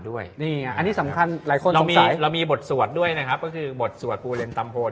เล็กเล็กเล็กเล็กเล็กเล็กเล็กเล็กเล็กเล็กเล็กเล็กเล็กเล็กเล็ก